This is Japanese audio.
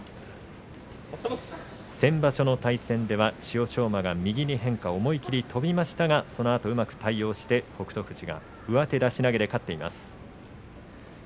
先場所の対戦では千代翔馬が右に変化思い切り跳びましたがそのあとうまく対応して北勝富士が上手出し投げで勝っています。